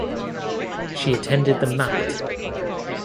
She attended the Mt.